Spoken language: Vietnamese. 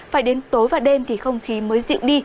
phải đến tối và đêm thì không khí mới dịu đi